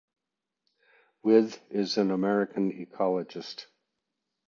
With is an American ecologist.